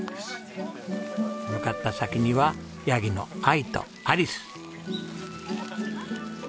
向かった先にはヤギのアイとアリス。